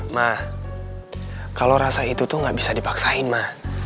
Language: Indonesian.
ma kalo rasa itu tuh gak bisa dipaksain ma